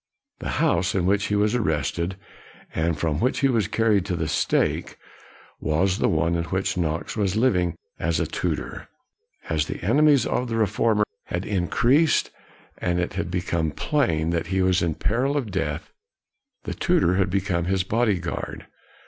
The house in which he was arrested, and from which he was carried to the stake, was the one in which Knox was living as a tutor. As the enemies of the reformer had 126 KNOX increased, and it had become plain that he was in peril of death, the tutor had become his body guard.